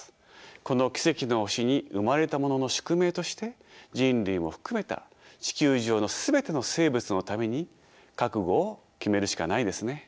この奇跡の星に生まれたものの宿命として人類も含めた地球上の全ての生物のために覚悟を決めるしかないですね。